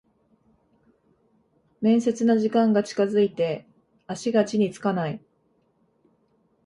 面接の時間が近づいて足が地につかない